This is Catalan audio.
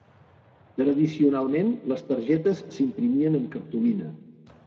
Tradicionalment, les targetes s'imprimien en cartolina.